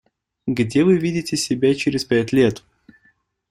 Где вы видите себя через пять лет?